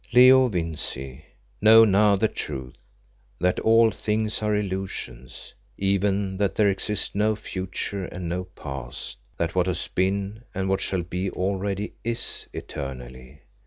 "Leo Vincey, know now the truth; that all things are illusions, even that there exists no future and no past, that what has been and what shall be already is eternally.